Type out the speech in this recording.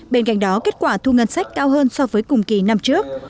bên cạnh đó kết quả thu ngân sách cao hơn so với cùng kỳ năm trước